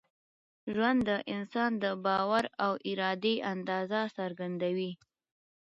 ژوند د انسان د باور او ارادې اندازه څرګندوي.